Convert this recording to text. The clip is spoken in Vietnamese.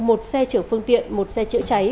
một xe chở phương tiện một xe chữa cháy